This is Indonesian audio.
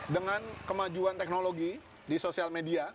dengan kemajuan teknologi di sosial media